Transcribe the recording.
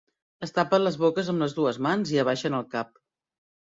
Es tapen les boques amb les dues mans i abaixen el cap.